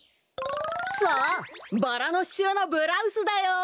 さあバラのししゅうのブラウスだよ！